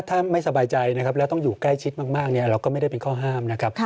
ถ้าไม่สบายใจนะครับแล้วต้องอยู่ใกล้ชิดมากเราก็ไม่ได้เป็นข้อห้ามนะครับ